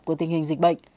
của tình hình dịch bệnh